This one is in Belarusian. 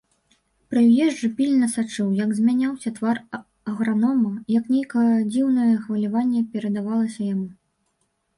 Прыезджы пільна сачыў, як змяняўся твар агранома, як нейкае дзіўнае хваляванне перадавалася яму.